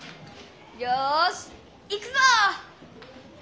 よしいくぞ！